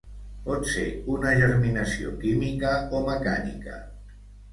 Pot ser una germinació química o mecànica.